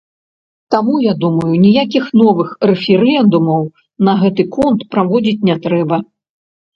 Таму, я думаю, ніякіх новых рэферэндумаў на гэты конт праводзіць не трэба.